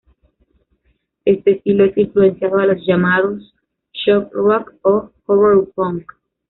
Este estilo es influenciado a los llamados "shock rock" o "horror punk".